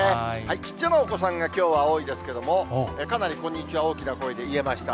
ちっちゃなお子さんがきょうは多いですけども、かなり、こんにちは、大きな声で言えました。